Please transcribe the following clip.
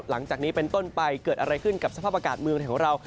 หลังจากนี้เป็นต้นไปเกิดอะไรขึ้นกับสภาพอากาศเมืองไทยของเรา